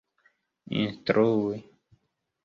instrui